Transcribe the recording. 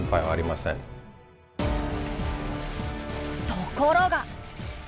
ところが。